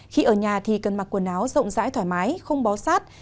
khi ở nhà thì cần mặc quần áo rộng rãi thoải mái không bó sát